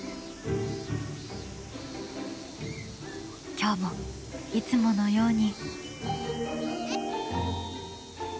今日もいつものように。